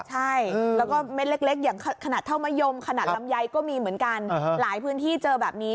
ใช่แล้วก็เม็ดเล็กอย่างขนาดเท่ามะยมขนาดลำไยก็มีเหมือนกันหลายพื้นที่เจอแบบนี้